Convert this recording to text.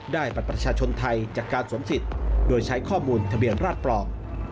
บัตรประชาชนไทยจากการสวมสิทธิ์โดยใช้ข้อมูลทะเบียนราชปลอม